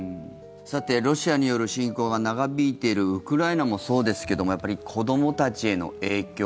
ロシアによる侵攻が長引いているウクライナもそうですけどもやっぱり子どもたちへの影響